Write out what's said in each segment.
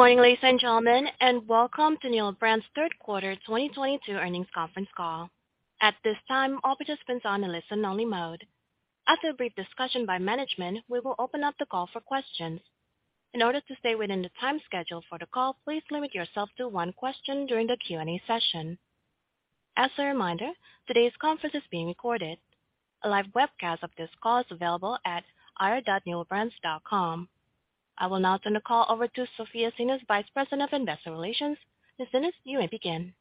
Good morning, ladies and gentlemen and welcome to Newell Brands third quarter 2022 earnings conference call. At this time, all participants are in listen only mode. After a brief discussion by management, we will open up the call for questions. In order to stay within the time schedule for the call, please limit yourself to one question during the Q&A session. As a reminder, today's conference is being recorded. A live webcast of this call is available at ir.newellbrands.com. I will now turn the call over to Sofya Tsinis, Vice President of Investor Relations. Ms. Tsinis, you may begin.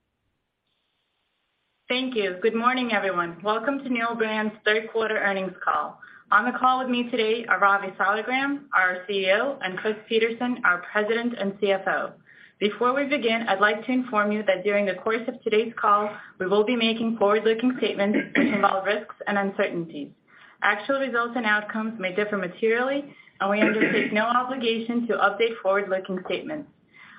Thank you. Good morning, everyone. Welcome to Newell Brands third quarter earnings call. On the call with me today are Ravi Saligram, our CEO and Chris Peterson, our President and CFO. Before we begin, I'd like to inform you that during the course of today's call, we will be making forward-looking statements which involve risks and uncertainties. Actual results and outcomes may differ materially and we undertake no obligation to update forward-looking statements.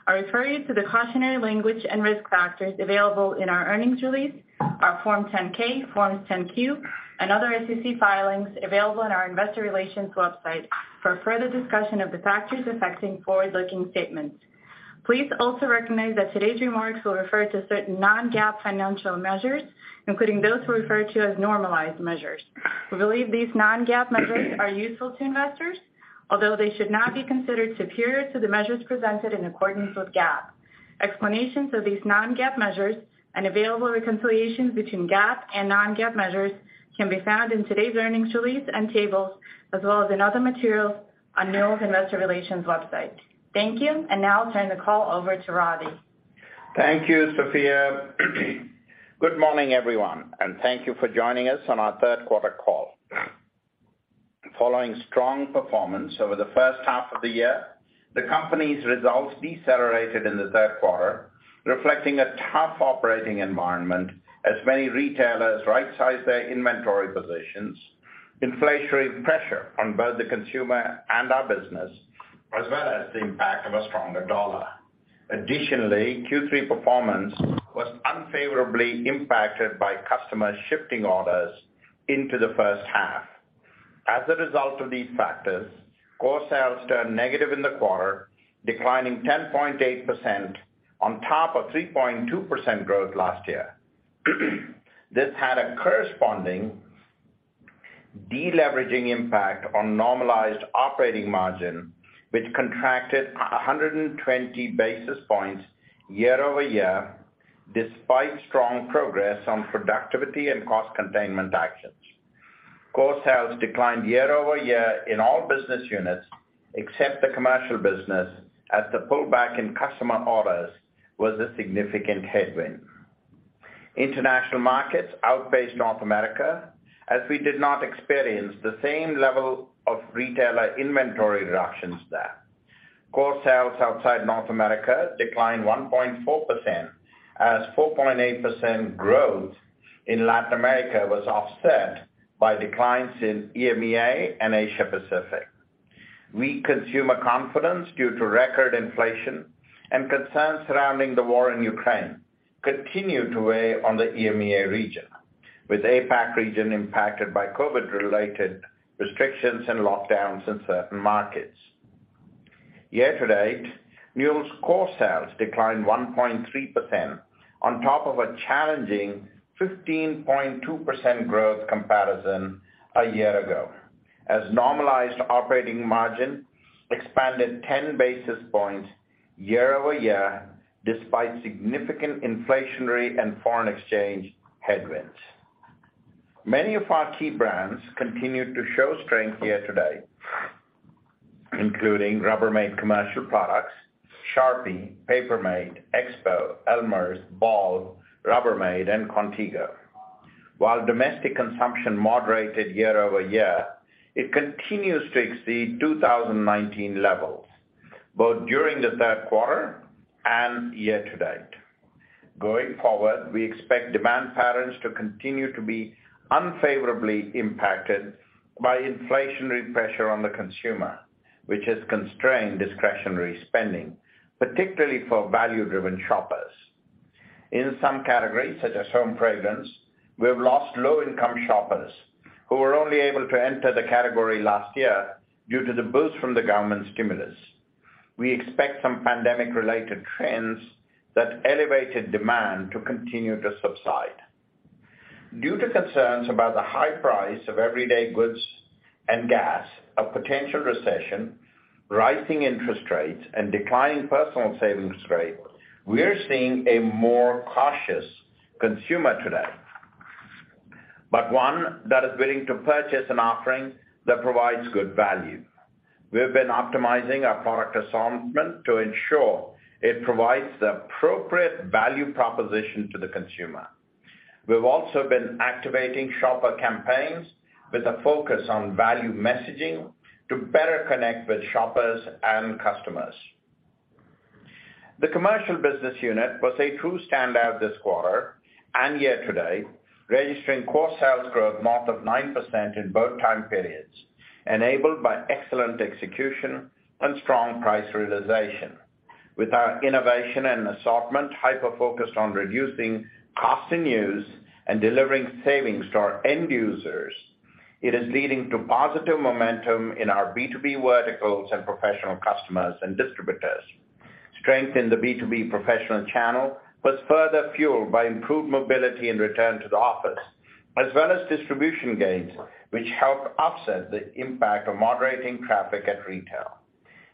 I refer you to the cautionary language and risk factors available in our earnings release, our Form 10-K, Forms 10-Q and other SEC filings available on our investor relations website for further discussion of the factors affecting forward-looking statements. Please also recognize that today's remarks will refer to certain non-GAAP financial measures, including those referred to as normalized measures. We believe these non-GAAP measures are useful to investors, although they should not be considered superior to the measures presented in accordance with GAAP. Explanations of these non-GAAP measures and available reconciliations between GAAP and non-GAAP measures can be found in today's earnings release and tables as well as in other materials on Newell's Investor Relations website. Thank you and now I'll turn the call over to Ravi. Thank you, Sofya. Good morning everyone and thank you for joining us on our third quarter call. Following strong performance over the first half of the year, the company's results decelerated in the third quarter, reflecting a tough operating environment as many retailers rightsized their inventory positions, inflationary pressure on both the consumer and our business, as well as the impact of a stronger dollar. Additionally, Q3 performance was unfavorably impacted by customers shifting orders into the first half. As a result of these factors, core sales turned negative in the quarter, declining 10.8% on top of 3.2% growth last year. This had a corresponding deleveraging impact on normalized operating margin, which contracted 120 basis points year-over-year despite strong progress on productivity and cost containment actions. Core sales declined year-over-year in all business units except the commercial business as the pullback in customer orders was a significant headwind. International markets outpaced North America as we did not experience the same level of retailer inventory reductions there. Core sales outside North America declined 1.4% as 4.8% growth in Latin America was offset by declines in EMEA and Asia Pacific. Weak consumer confidence due to record inflation and concerns surrounding the war in Ukraine continued to weigh on the EMEA region, with APAC region impacted by COVID-related restrictions and lockdowns in certain markets. Year to date, Newell Brands' core sales declined 1.3% on top of a challenging 15.2% growth comparison a year ago, as normalized operating margin expanded 10 basis points year-over-year despite significant inflationary and foreign exchange headwinds. Many of our key brands continued to show strength year to date, including Rubbermaid Commercial Products, Sharpie, Paper Mate, Expo, Elmer's, Ball, Rubbermaid and Contigo. While domestic consumption moderated year-over-year, it continues to exceed 2019 levels, both during the third quarter and year to date. Going forward, we expect demand patterns to continue to be unfavorably impacted by inflationary pressure on the consumer, which has constrained discretionary spending, particularly for value-driven shoppers. In some categories, such as home fragrance, we have lost low-income shoppers who were only able to enter the category last year due to the boost from the government stimulus. We expect some pandemic-related trends that elevated demand to continue to subside. Due to concerns about the high price of everyday goods and gas, a potential recession, rising interest rates and declining personal savings rate, we are seeing a more cautious consumer today but one that is willing to purchase an offering that provides good value. We have been optimizing our product assortment to ensure it provides the appropriate value proposition to the consumer. We've also been activating shopper campaigns with a focus on value messaging to better connect with shoppers and customers. The commercial business unit was a true standout this quarter and year to date, registering core sales growth north of 9% in both time periods, enabled by excellent execution and strong price realization. With our innovation and assortment hyper-focused on reducing cost in use and delivering savings to our end users. It is leading to positive momentum in our B2B verticals and professional customers and distributors. Strength in the B2B professional channel was further fueled by improved mobility and return to the office, as well as distribution gains, which help offset the impact of moderating traffic at retail.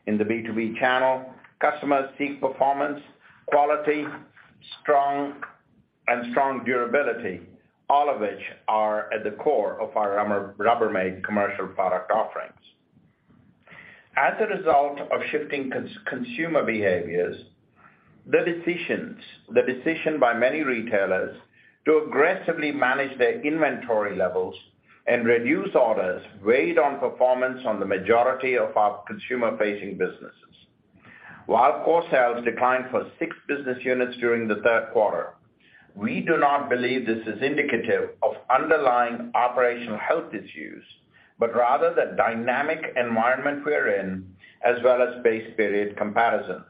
In the B2B channel, customers seek performance, quality, strength and durability, all of which are at the core of our Rubbermaid Commercial Products offerings. As a result of shifting consumer behaviors, the decision by many retailers to aggressively manage their inventory levels and reduce orders weighed on performance on the majority of our consumer-facing businesses. While core sales declined for six business units during the third quarter, we do not believe this is indicative of underlying operational health issues but rather the dynamic environment we're in, as well as base period comparisons.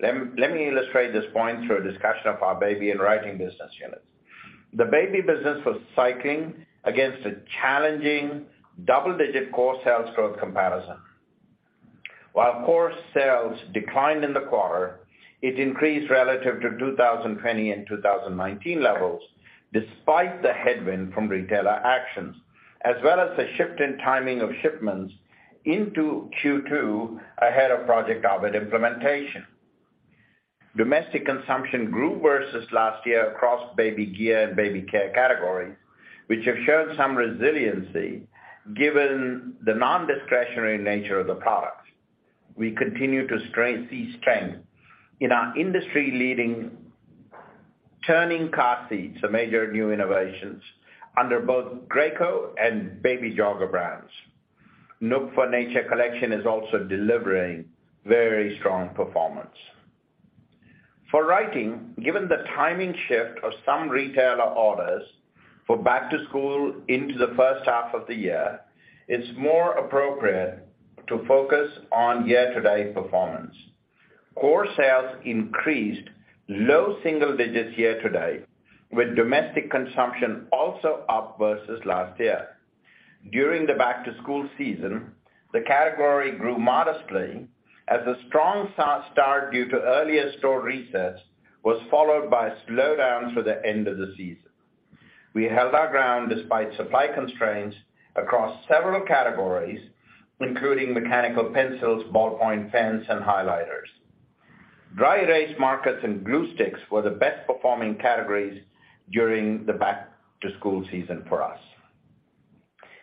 Let me illustrate this point through a discussion of our Baby and Writing business units. The Baby business was cycling against a challenging double-digit core sales growth comparison. While core sales declined in the quarter, it increased relative to 2020 and 2019 levels despite the headwind from retailer actions, as well as the shift in timing of shipments into Q2 ahead of Project Ovid implementation. Domestic consumption grew versus last year across baby gear and baby care categories, which have shown some resiliency given the non-discretionary nature of the products. We continue to see strength in our industry-leading turning car seats, some major new innovations, under both Graco and Baby Jogger brands. NUK for Nature collection is also delivering very strong performance. For Writing, given the timing shift of some retailer orders for back to school into the first half of the year, it's more appropriate to focus on year-to-date performance. Core sales increased low single digits year to date, with domestic consumption also up versus last year. During the back-to-school season, the category grew modestly as a strong start due to earlier store resets was followed by a slowdown for the end of the season. We held our ground despite supply constraints across several categories, including mechanical pencils, ballpoint pens and highlighters. Dry-erase markers and glue sticks were the best-performing categories during the back-to-school season for us.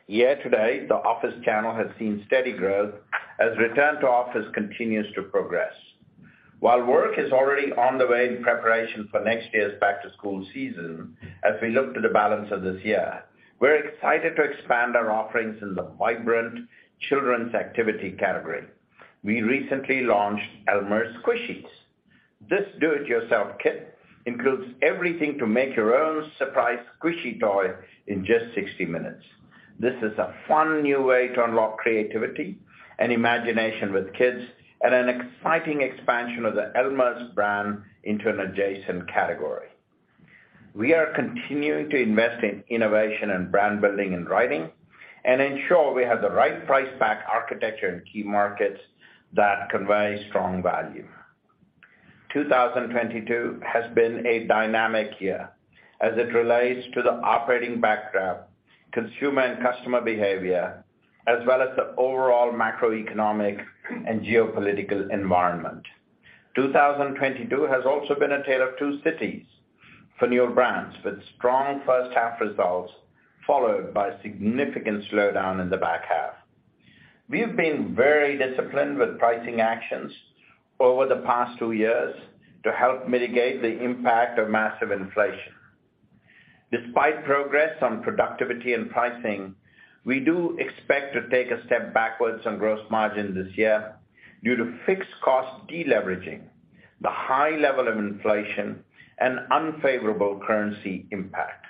Year to date, the office channel has seen steady growth as return to office continues to progress. While work is already underway in preparation for next year's back-to-school season, as we look to the balance of this year, we're excited to expand our offerings in the vibrant children's activity category. We recently launched Elmer's Squishies. This do-it-yourself kit includes everything to make your own surprise squishy toy in just 60 minutes. This is a fun new way to unlock creativity and imagination with kids and an exciting expansion of the Elmer's brand into an adjacent category. We are continuing to invest in innovation and brand building and writing and ensure we have the right price pack architecture in key markets that convey strong value. 2022 has been a dynamic year as it relates to the operating backdrop, consumer and customer behavior, as well as the overall macroeconomic and geopolitical environment. 2022 has also been a tale of two cities for Newell Brands with strong first half results followed by significant slowdown in the back half. We have been very disciplined with pricing actions over the past two years to help mitigate the impact of massive inflation. Despite progress on productivity and pricing, we do expect to take a step backwards on gross margin this year due to fixed cost deleveraging, the high level of inflation and unfavorable currency impact.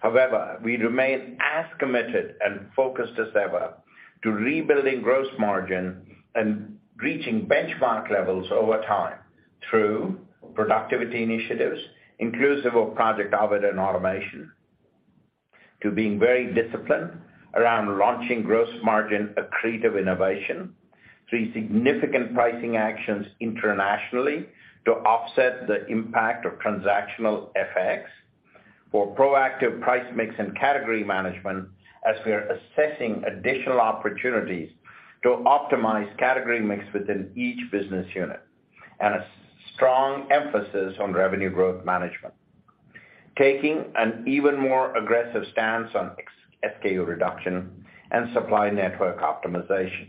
However, we remain as committed and focused as ever to rebuilding gross margin and reaching benchmark levels over time through productivity initiatives, inclusive of Project Ovid and automation, to being very disciplined around launching gross margin accretive innovation through significant pricing actions internationally to offset the impact of transactional FX for proactive price mix and category management as we are assessing additional opportunities to optimize category mix within each business unit. And a strong emphasis on revenue growth management, taking an even more aggressive stance on SKU reduction and supply network optimization.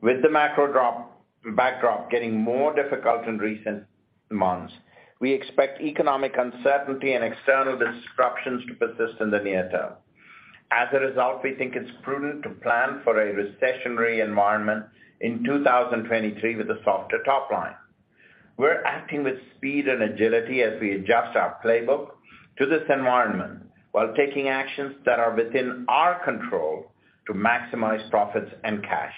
With the macro backdrop getting more difficult in recent months, we expect economic uncertainty and external disruptions to persist in the near term. As a result, we think it's prudent to plan for a recessionary environment in 2023 with a softer top line. We're acting with speed and agility as we adjust our playbook to this environment while taking actions that are within our control to maximize profits and cash.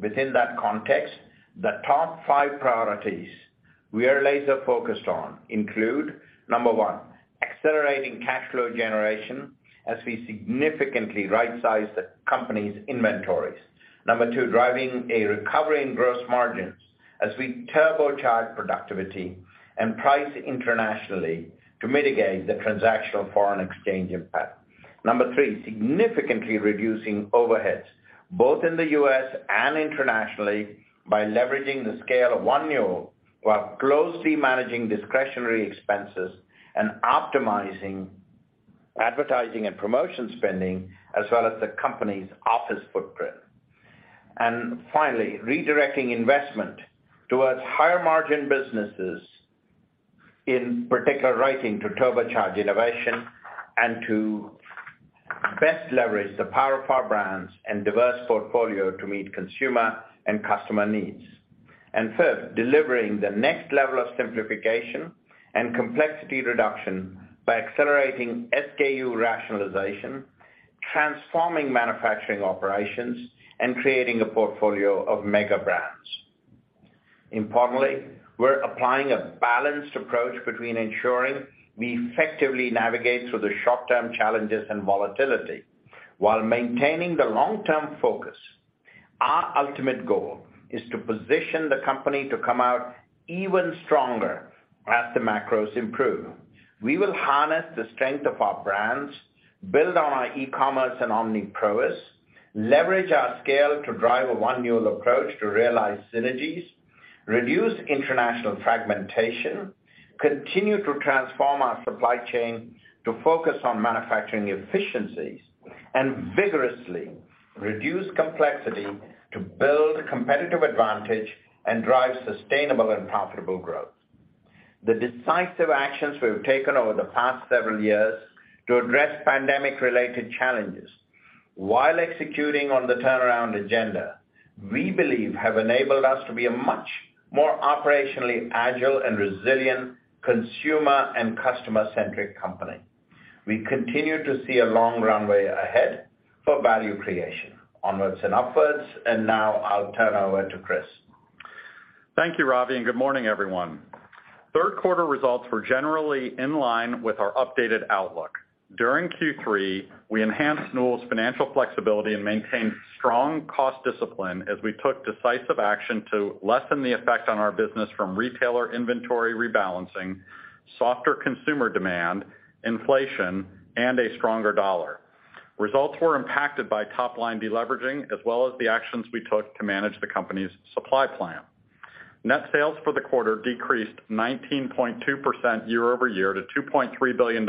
Within that context, the top five priorities we are laser focused on include number one, accelerating cash flow generation as we significantly rightsized the company's inventories. Number two, driving a recovery in gross margins as we turbocharge productivity and price internationally to mitigate the transactional foreign exchange impact. Number three, significantly reducing overheads, both in the U.S. and internationally by leveraging the scale of One Newell while closely managing discretionary expenses and optimizing advertising and promotion spending as well as the company's office footprint. Finally, redirecting investment towards higher margin businesses, in particular, Writing, to turbocharge innovation and to best leverage the power of our brands and diverse portfolio to meet consumer and customer needs. Fifth, delivering the next level of simplification and complexity reduction by accelerating SKU rationalization, transforming manufacturing operations and creating a portfolio of mega brands. Importantly, we're applying a balanced approach between ensuring we effectively navigate through the short-term challenges and volatility while maintaining the long-term focus. Our ultimate goal is to position the company to come out even stronger as the macros improve. We will harness the strength of our brands, build on our e-commerce and omni prowess, leverage our scale to drive a One Newell approach to realize synergies, reduce international fragmentation, continue to transform our supply chain to focus on manufacturing efficiencies and vigorously reduce complexity to build competitive advantage and drive sustainable and profitable growth. The decisive actions we've taken over the past several years to address pandemic-related challenges while executing on the turnaround agenda, we believe have enabled us to be a much more operationally agile and resilient consumer and customer-centric company. We continue to see a long runway ahead for value creation. Onward and upward and now I'll turn over to Chris. Thank you, Ravi and good morning, everyone. Third quarter results were generally in line with our updated outlook. During Q3, we enhanced Newell's financial flexibility and maintained strong cost discipline as we took decisive action to lessen the effect on our business from retailer inventory rebalancing, softer consumer demand, inflation and a stronger dollar. Results were impacted by top line deleveraging, as well as the actions we took to manage the company's supply plan. Net sales for the quarter decreased 19.2% year-over-year to $2.3 billion,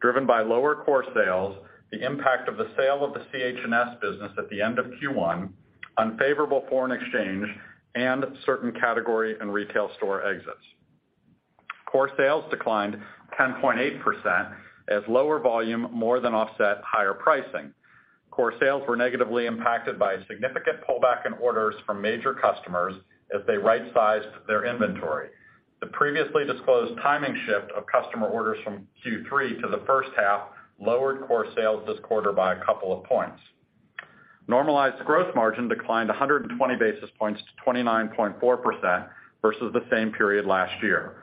driven by lower core sales, the impact of the sale of the CH&S business at the end of Q1, unfavorable foreign exchange and certain category and retail store exits. Core sales declined 10.8% as lower volume more than offset higher pricing. Core sales were negatively impacted by a significant pullback in orders from major customers as they rightsized their inventory. The previously disclosed timing shift of customer orders from Q3 to the first half lowered core sales this quarter by a couple of points. Normalized gross margin declined 120 basis points to 29.4% versus the same period last year.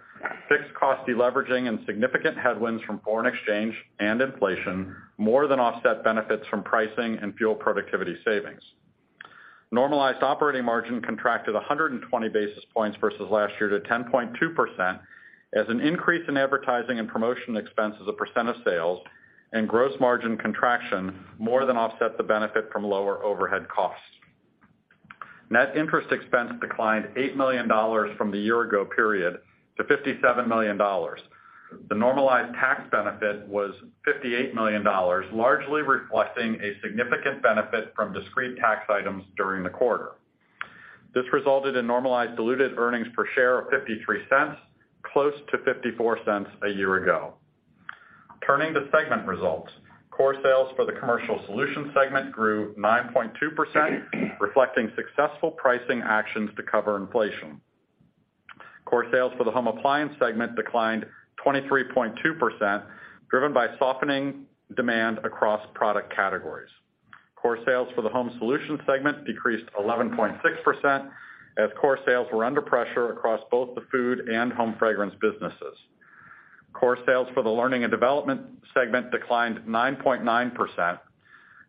Fixed cost deleveraging and significant headwinds from foreign exchange and inflation more than offset benefits from pricing and fuel productivity savings. Normalized operating margin contracted 120 basis points versus last year to 10.2% as an increase in advertising and promotion expense as a % of sales and gross margin contraction more than offset the benefit from lower overhead costs. Net interest expense declined $8 million from the year ago period to $57 million. The normalized tax benefit was $58 million, largely reflecting a significant benefit from discrete tax items during the quarter. This resulted in normalized diluted earnings per share of $0.53, close to $0.54 a year ago. Turning to segment results. Core sales for the commercial solutions segment grew 9.2%, reflecting successful pricing actions to cover inflation. Core sales for the home appliance segment declined 23.2%, driven by softening demand across product categories. Core sales for the home solutions segment decreased 11.6% as core sales were under pressure across both the food and home fragrance businesses. Core sales for the learning and development segment declined 9.9%.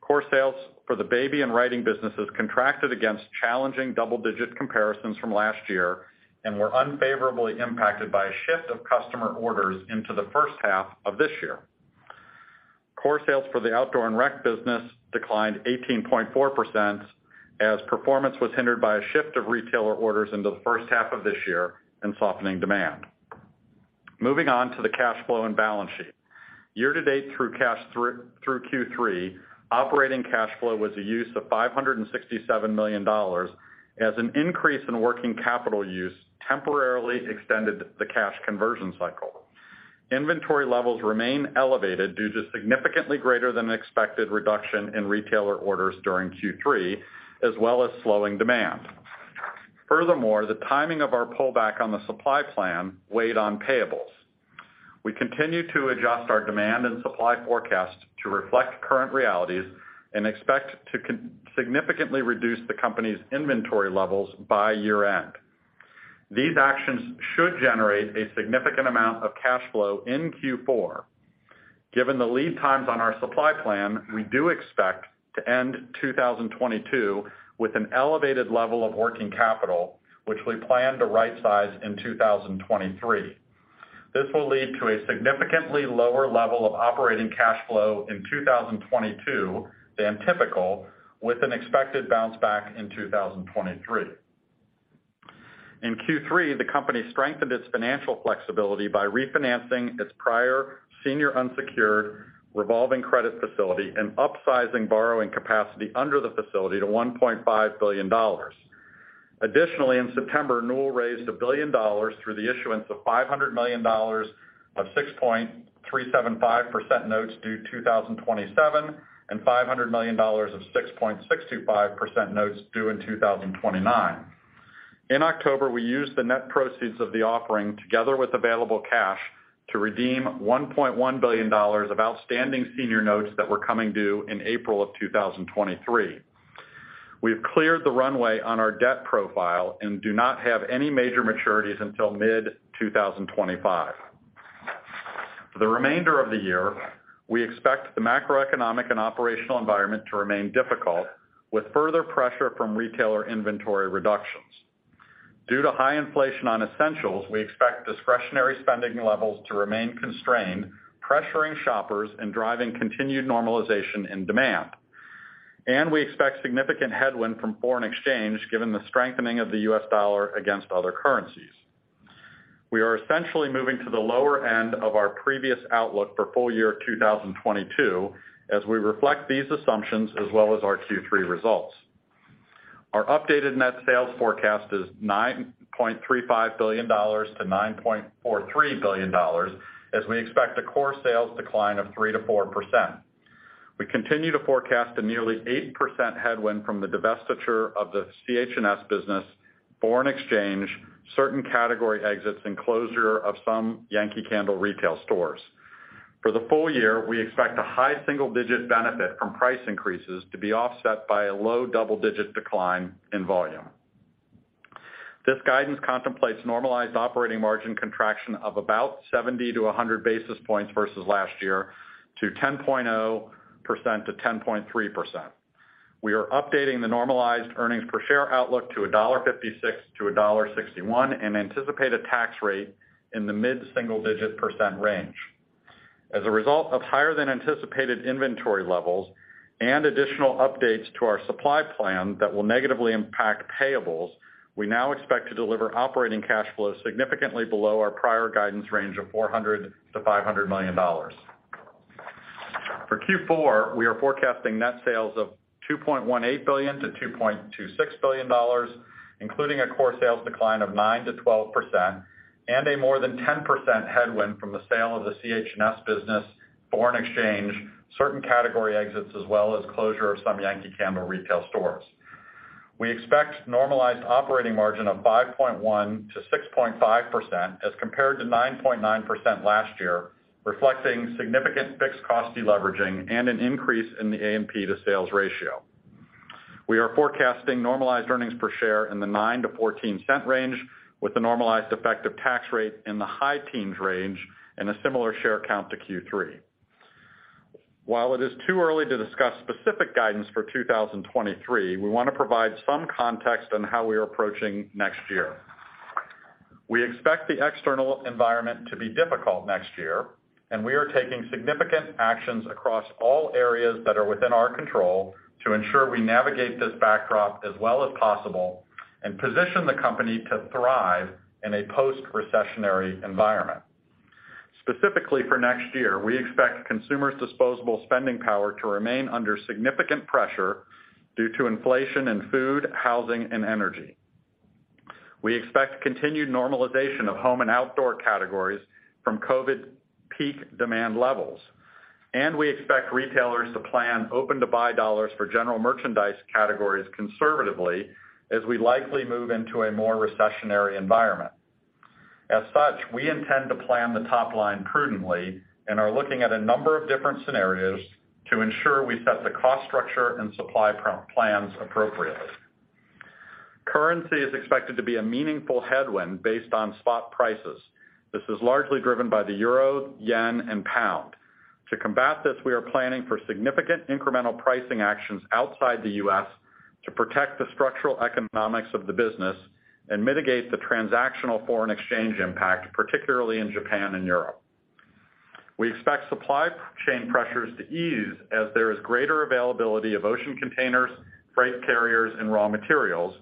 Core sales for the baby and writing businesses contracted against challenging double-digit comparisons from last year and were unfavorably impacted by a shift of customer orders into the first half of this year. Core sales for the outdoor and rec business declined 18.4% as performance was hindered by a shift of retailer orders into the first half of this year and softening demand. Moving on to the cash flow and balance sheet. Year to date through Q3, operating cash flow was a use of $567 million as an increase in working capital use temporarily extended the cash conversion cycle. Inventory levels remain elevated due to significantly greater than expected reduction in retailer orders during Q3, as well as slowing demand. Furthermore, the timing of our pullback on the supply plan weighed on payables. We continue to adjust our demand and supply forecast to reflect current realities and expect to significantly reduce the company's inventory levels by year-end. These actions should generate a significant amount of cash flow in Q4. Given the lead times on our supply plan, we do expect to end 2022 with an elevated level of working capital, which we plan to right-size in 2023. This will lead to a significantly lower level of operating cash flow in 2022 than typical, with an expected bounce back in 2023. In Q3, the company strengthened its financial flexibility by refinancing its prior senior unsecured revolving credit facility and upsizing borrowing capacity under the facility to $1.5 billion. In September, Newell raised $1 billion through the issuance of $500 million of 6.375% notes due 2027 and $500 million of 6.625% notes due in 2029. In October, we used the net proceeds of the offering together with available cash to redeem $1.1 billion of outstanding senior notes that were coming due in April of 2023. We have cleared the runway on our debt profile and do not have any major maturities until mid-2025. For the remainder of the year, we expect the macroeconomic and operational environment to remain difficult, with further pressure from retailer inventory reductions. Due to high inflation on essentials, we expect discretionary spending levels to remain constrained, pressuring shoppers and driving continued normalization in demand. We expect significant headwind from foreign exchange, given the strengthening of the US dollar against other currencies. We are essentially moving to the lower end of our previous outlook for full year 2022, as we reflect these assumptions as well as our Q3 results. Our updated net sales forecast is $9.35 billion-$9.43 billion, as we expect a core sales decline of 3%-4%. We continue to forecast a nearly 8% headwind from the divestiture of the CH&S business, foreign exchange, certain category exits and closure of some Yankee Candle retail stores. For the full year, we expect a high single-digit benefit from price increases to be offset by a low double-digit decline in volume. This guidance contemplates normalized operating margin contraction of about 70-100 basis points versus last year to 10.0%-10.3%. We are updating the normalized earnings per share outlook to $1.56-$1.61 and anticipate a tax rate in the mid-single-digit % range. As a result of higher than anticipated inventory levels and additional updates to our supply plan that will negatively impact payables, we now expect to deliver operating cash flow significantly below our prior guidance range of $400 million-$500 million. For Q4, we are forecasting net sales of $2.18 billion-$2.26 billion, including a core sales decline of 9%-12% and a more than 10% headwind from the sale of the CH&S business, foreign exchange, certain category exits, as well as closure of some Yankee Candle retail stores. We expect normalized operating margin of 5.1%-6.5% as compared to 9.9% last year, reflecting significant fixed cost deleveraging and an increase in the A&P to sales ratio. We are forecasting normalized earnings per share in the $0.09-$0.14 range, with a normalized effective tax rate in the high teens% range and a similar share count to Q3. While it is too early to discuss specific guidance for 2023, we wanna provide some context on how we are approaching next year. We expect the external environment to be difficult next year and we are taking significant actions across all areas that are within our control to ensure we navigate this backdrop as well as possible and position the company to thrive in a post-recessionary environment. Specifically for next year, we expect consumers' disposable spending power to remain under significant pressure due to inflation in food, housing and energy. We expect continued normalization of home and outdoor categories from COVID peak demand levels and we expect retailers to plan open-to-buy dollars for general merchandise categories conservatively as we likely move into a more recessionary environment. As such, we intend to plan the top line prudently and are looking at a number of different scenarios to ensure we set the cost structure and supply plans appropriately. Currency is expected to be a meaningful headwind based on spot prices. This is largely driven by the euro, yen and pound. To combat this, we are planning for significant incremental pricing actions outside the U.S. to protect the structural economics of the business and mitigate the transactional foreign exchange impact, particularly in Japan and Europe. We expect supply chain pressures to ease as there is greater availability of ocean containers, freight carriers and raw materials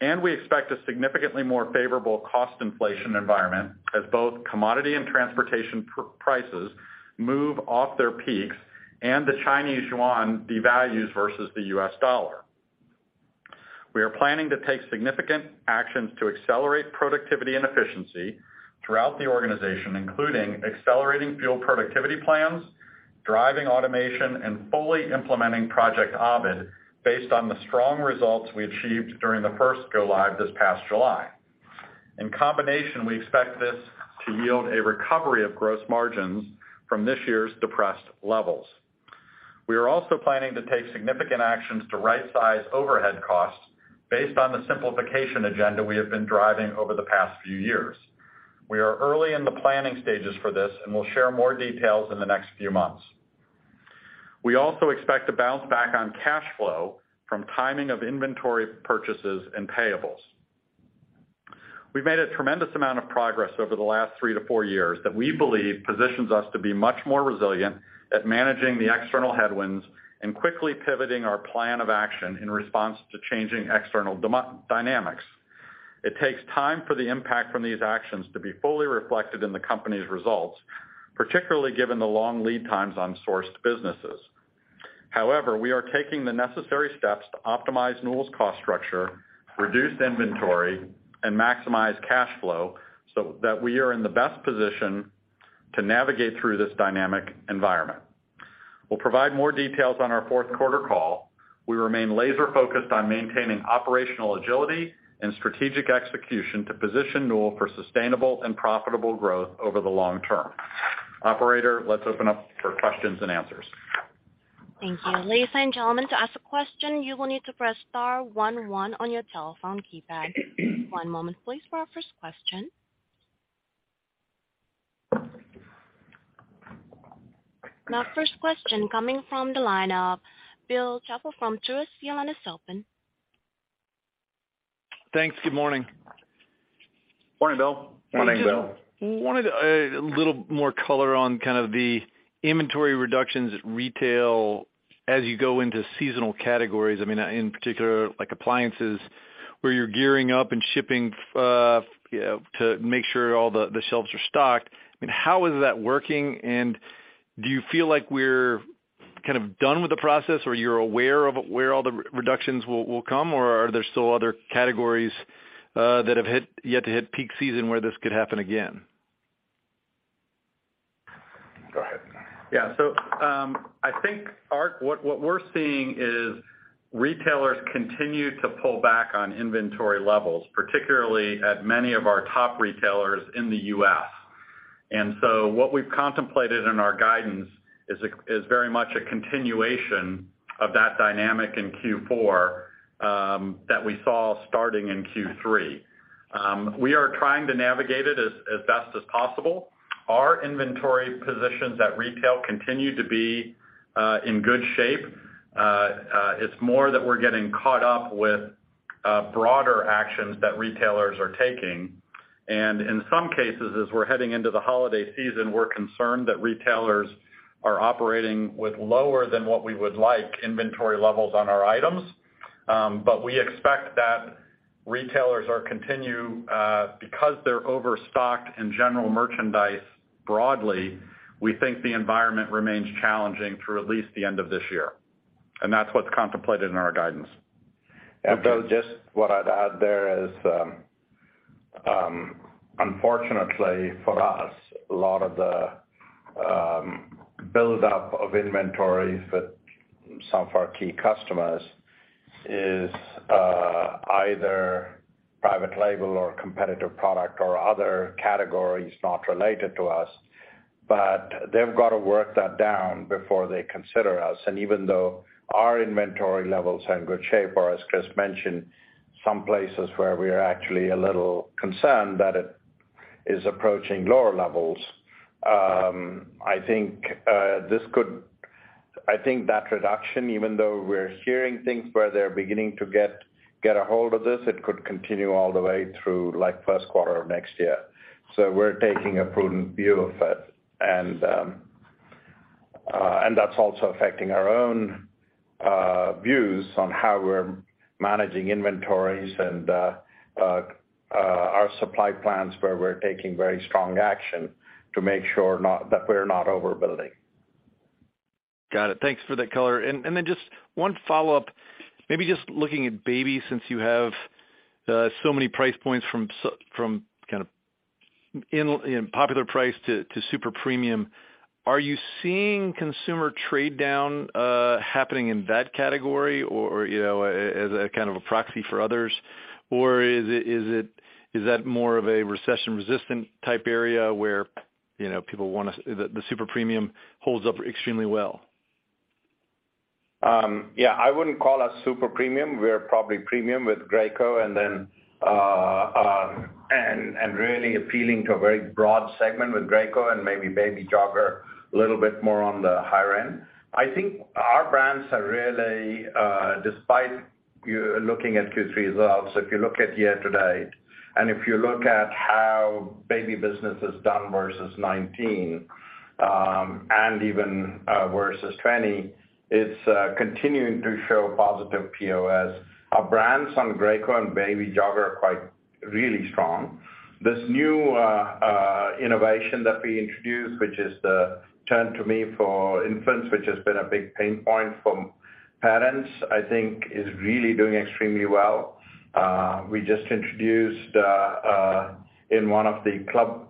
and we expect a significantly more favorable cost inflation environment as both commodity and transportation prices move off their peaks and the Chinese yuan devalues versus the U.S. dollar. We are planning to take significant actions to accelerate productivity and efficiency throughout the organization, including accelerating field productivity plans, driving automation and fully implementing Project Ovid based on the strong results we achieved during the first go-live this past July. In combination, we expect this to yield a recovery of gross margins from this year's depressed levels. We are also planning to take significant actions to rightsized overhead costs based on the simplification agenda we have been driving over the past few years. We are early in the planning stages for this and we'll share more details in the next few months. We also expect to bounce back on cash flow from timing of inventory purchases and payables. We've made a tremendous amount of progress over the last three to four years that we believe positions us to be much more resilient at managing the external headwinds and quickly pivoting our plan of action in response to changing external dynamics. It takes time for the impact from these actions to be fully reflected in the company's results, particularly given the long lead times on sourced businesses. However, we are taking the necessary steps to optimize Newell's cost structure, reduce inventory and maximize cash flow so that we are in the best position to navigate through this dynamic environment. We'll provide more details on our fourth quarter call. We remain laser-focused on maintaining operational agility and strategic execution to position Newell for sustainable and profitable growth over the long term. Operator, let's open up for questions and answers. Thank you. Ladies and gentlemen, to ask a question, you will need to press star one one on your telephone keypad. One moment please for our first question. Our first question coming from the line of Bill Chappell from Truist. Your line is open. Thanks. Good morning. Morning, Bill. Morning, Bill. Wanted a little more color on kind of the inventory reductions at retail as you go into seasonal categories. I mean, in particular, like appliances, where you're gearing up and shipping, you know, to make sure all the shelves are stocked. I mean, how is that working? Do you feel like we're kind of done with the process or you're aware of where all the reductions will come or are there still other categories that have yet to hit peak season where this could happen again? Go ahead. Yeah. I think what we're seeing is retailers continue to pull back on inventory levels, particularly at many of our top retailers in the U.S. What we've contemplated in our guidance is very much a continuation of that dynamic in Q4, that we saw starting in Q3. We are trying to navigate it as best as possible. Our inventory positions at retail continue to be in good shape. It's more that we're getting caught up with broader actions that retailers are taking. In some cases, as we're heading into the holiday season, we're concerned that retailers are operating with lower than what we would like inventory levels on our items. We expect that retailers will continue because they're overstocked in general merchandise broadly. We think the environment remains challenging through at least the end of this year and that's what's contemplated in our guidance. Bill, just what I'd add there is, unfortunately for us, a lot of the buildup of inventories with some of our key customers is either private label or competitive product or other categories not related to us. They've got to work that down before they consider us. Even though our inventory levels are in good shape or as Chris mentioned, some places where we are actually a little concerned that it is approaching lower levels, I think this could, I think that reduction, even though we're hearing things where they're beginning to get a hold of this, it could continue all the way through, like, first quarter of next year. We're taking a prudent view of it. That's also affecting our own views on how we're managing inventories and our supply plans, where we're taking very strong action to make sure that we're not overbuilding Got it. Thanks for that color. Just one follow-up, maybe just looking at Baby since you have so many price points from kind of in popular price to super premium. Are you seeing consumer trade down happening in that category or you know, as a kind of a proxy for others or is it that more of a recession-resistant type area where you know, people wanna. The super premium holds up extremely well? Yeah, I wouldn't call us super premium. We're probably premium with Graco and then really appealing to a very broad segment with Graco and maybe Baby Jogger a little bit more on the higher end. I think our brands are really despite you looking at Q3 results, if you look at year to date and if you look at how baby business has done versus 2019 and even versus 2020, it's continuing to show positive POS. Our brands on Graco and Baby Jogger are quite really strong. This new innovation that we introduced, which is the Turn2Me for infants, which has been a big pain point from parents, I think is really doing extremely well. We just introduced in one of the club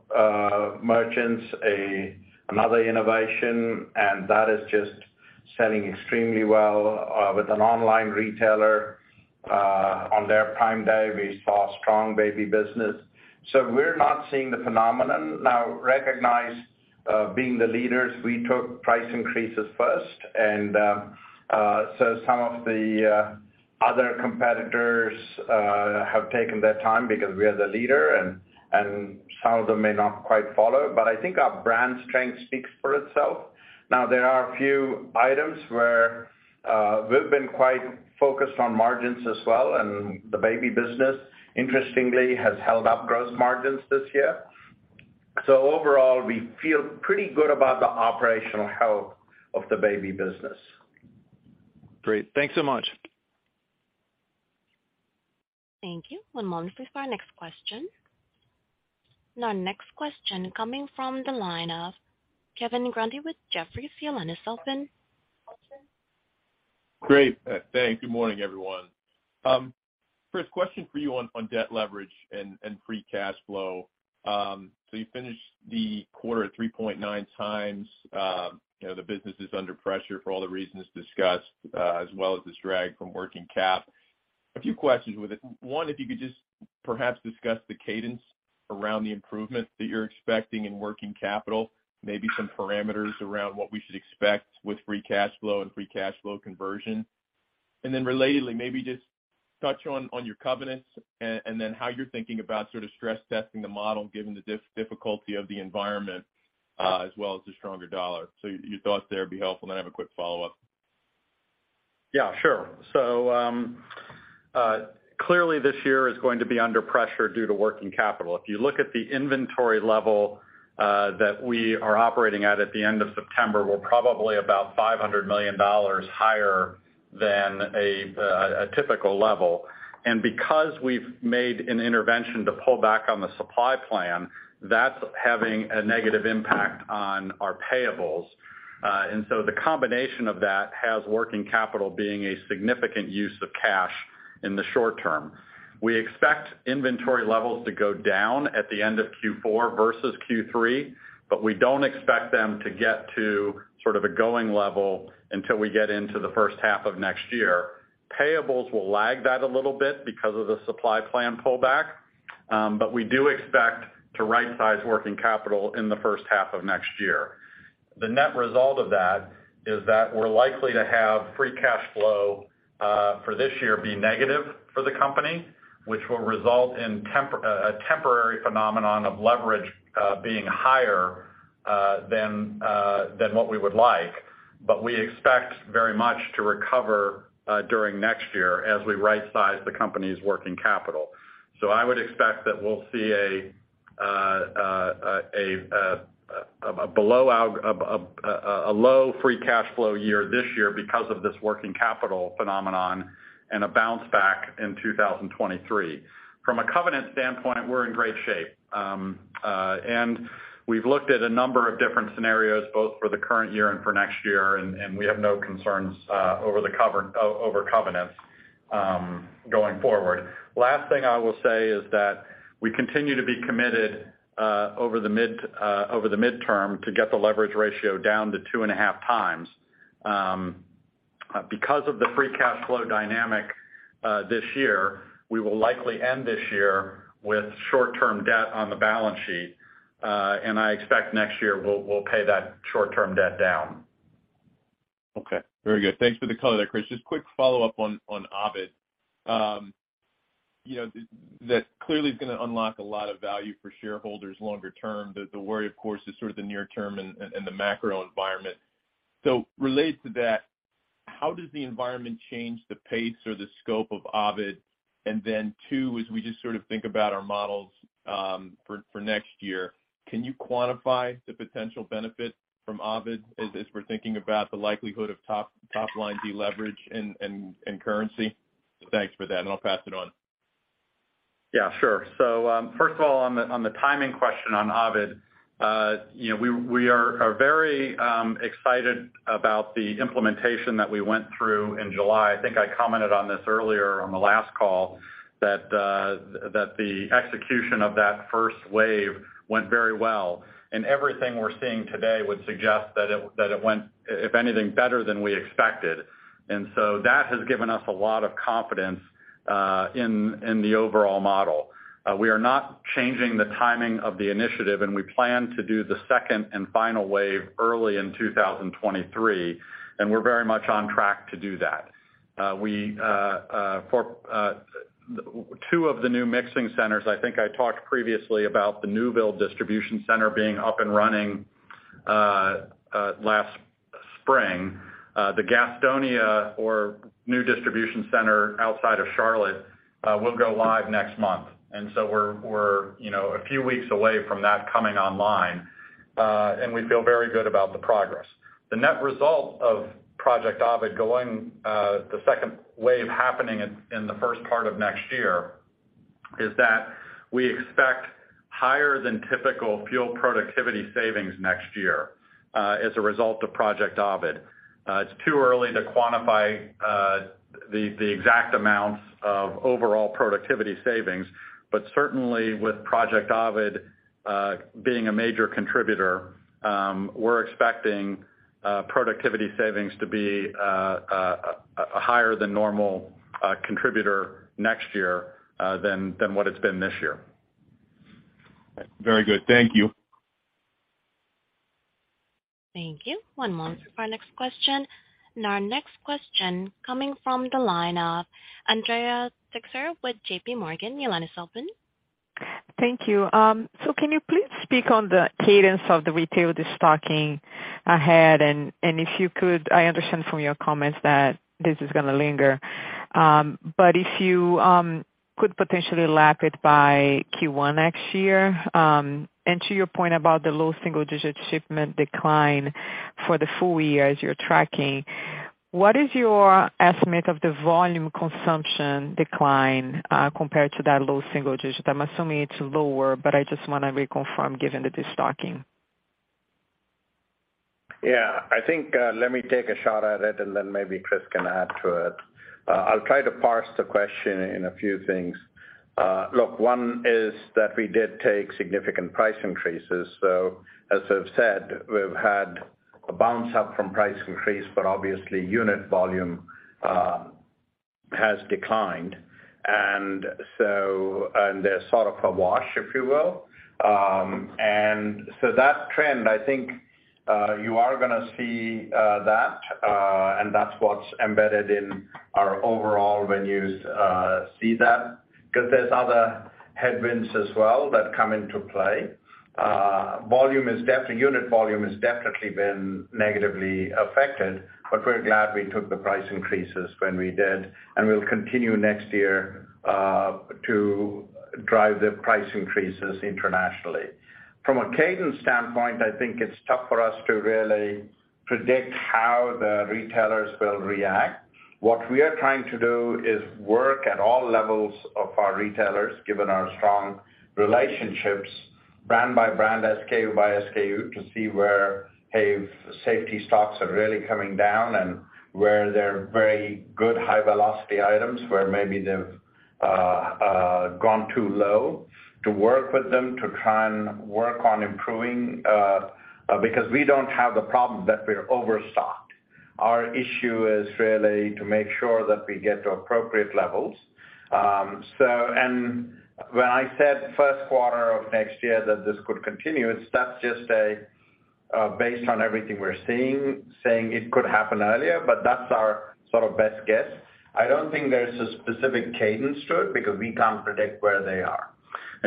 merchants another innovation and that is just selling extremely well, with an online retailer, on their Prime Day, we saw strong baby business. We're not seeing the phenomenon. Now, recognize, being the leaders, we took price increases first and so some of the other competitors have taken their time because we are the leader and some of them may not quite follow. I think our brand strength speaks for itself. Now, there are a few items where we've been quite focused on margins as well and the baby business, interestingly, has held up gross margins this year. Overall, we feel pretty good about the operational health of the baby business. Great. Thanks so much. Thank you. One moment please for our next question. Our next question coming from the line of Kevin Grundy with Jefferies. Your line is open. Great. Thanks. Good morning, everyone. First question for you on debt leverage and free cash flow. So you finished the quarter at 3.9 times. You know, the business is under pressure for all the reasons discussed, as well as this drag from working cap. A few questions with it. One, if you could just perhaps discuss the cadence around the improvement that you're expecting in working capital, maybe some parameters around what we should expect with free cash flow and free cash flow conversion. Then relatedly, maybe just touch on your covenants and then how you're thinking about sort of stress testing the model given the difficulty of the environment, as well as the stronger dollar. Your thoughts there would be helpful and I have a quick follow-up. Yeah, sure. Clearly, this year is going to be under pressure due to working capital. If you look at the inventory level that we are operating at the end of September, we're probably about $500 million higher than a typical level. Because we've made an intervention to pull back on the supply plan, that's having a negative impact on our payables. The combination of that has working capital being a significant use of cash in the short term. We expect inventory levels to go down at the end of Q4 versus Q3 but we don't expect them to get to sort of a going level until we get into the first half of next year. Payables will lag that a little bit because of the supply plan pullback but we do expect to rightsized working capital in the first half of next year. The net result of that is that we're likely to have free cash flow for this year be negative for the company, which will result in a temporary phenomenon of leverage being higher than what we would like. We expect very much to recover during next year as we rightsized the company's working capital. I would expect that we'll see a low free cash flow year this year because of this working capital phenomenon and a bounce back in 2023. From a covenant standpoint, we're in great shape. We've looked at a number of different scenarios, both for the current year and for next year and we have no concerns over covenants going forward. Last thing I will say is that we continue to be committed over the midterm to get the leverage ratio down to 2.5 times. Because of the free cash flow dynamic, this year, we will likely end this year with short-term debt on the balance sheet and I expect next year we'll pay that short-term debt down. Okay. Very good. Thanks for the color there, Chris. Just quick follow-up on OVID. You know, that clearly is gonna unlock a lot of value for shareholders longer term. The worry, of course, is sort of the near term and the macro environment. Related to that, how does the environment change the pace or the scope of OVID? Then two, as we just sort of think about our models, for next year, can you quantify the potential benefit from OVID as we're thinking about the likelihood of top line deleverage and currency? Thanks for that and I'll pass it on. Yeah, sure. First of all, on the timing question on OVID, you know, we are very excited about the implementation that we went through in July. I think I commented on this earlier on the last call that the execution of that first wave went very well. Everything we're seeing today would suggest that it went, if anything, better than we expected. That has given us a lot of confidence in the overall model. We are not changing the timing of the initiative and we plan to do the second and final wave early in 2023 and we're very much on track to do that. For two of the new mixing centers, I think I talked previously about the Newville distribution center being up and running last spring. The Gastonia or new distribution center outside of Charlotte will go live next month. We're, you know, a few weeks away from that coming online and we feel very good about the progress. The net result of Project Ovid going, the second wave happening in the first part of next year is that we expect higher than typical fuel productivity savings next year as a result of Project Ovid. It's too early to quantify the exact amounts of overall productivity savings. Certainly with Project Ovid being a major contributor, we're expecting productivity savings to be a higher than normal contributor next year than what it's been this year. Very good. Thank you. Thank you. One moment for our next question. Our next question coming from the line of Andrea Teixeira with JPMorgan. Your line is open. Thank you. Can you please speak on the cadence of the retail destocking ahead? If you could, I understand from your comments that this is gonna linger. If you could potentially lap it by Q1 next year. To your point about the low single-digit shipment decline for the full year as you're tracking, what is your estimate of the volume consumption decline, compared to that low single-digit? I'm assuming it's lower but I just wanna reconfirm given the destocking. Yeah. I think, let me take a shot at it and then maybe Chris can add to it. I'll try to parse the question in a few things. Look, one is that we did take significant price increases. As I've said, we've had a bounce up from price increase but obviously unit volume has declined. They're sort of a wash, if you will. That trend, I think, you are gonna see and that's what's embedded in our overall when you see that, 'cause there's other headwinds as well that come into play. Unit volume has definitely been negatively affected but we're glad we took the price increases when we did and we'll continue next year to drive the price increases internationally. From a cadence standpoint, I think it's tough for us to really predict how the retailers will react. What we are trying to do is work at all levels of our retailers, given our strong relationships, brand by brand, SKU by SKU, to see where, hey, safety stocks are really coming down and where their very good high velocity items, where maybe they've gone too low to work with them to try and work on improving, because we don't have the problem that we're overstocked. Our issue is really to make sure that we get to appropriate levels. When I said first quarter of next year that this could continue, that's just based on everything we're seeing. It could happen earlier but that's our sort of best guess. I don't think there's a specific cadence to it because we can't predict where they are.